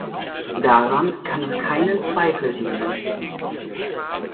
Daran kann es keinen Zweifel geben.